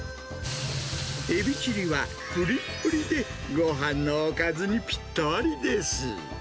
エビチリは、ぷりっぷりで、ごはんのおかずにぴったりです。